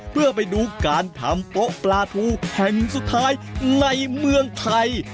เพื่อไปดูการทำโป๊ะปลาทูแห่งสุดท้ายในเมืองไทย